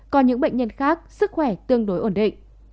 còn những bệnh nhân khác sức khỏe tương đối ổn định